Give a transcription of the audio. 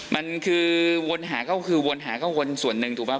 มันคือวนหาก็วนส่วนหนึ่งถูกปะ